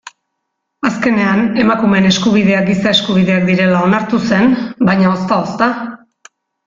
Azkenean emakumeen eskubideak giza eskubideak direla onartu zen, baina ozta-ozta.